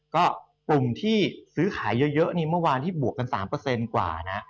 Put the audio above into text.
ก็กลุ่มที่ซื้อขายเยอะนี่เมื่อวานที่บวกกัน๓กว่านะ